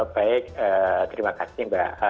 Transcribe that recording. baik terima kasih mbak